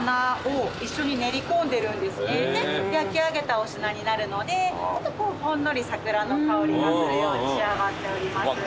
焼き上げたお品になるのでちょっとこうほんのりサクラの香りがするように仕上がっております。